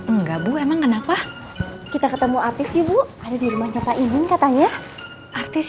enggak bu emang kenapa kita ketemu artis ibu ada di rumah siapa ini katanya artis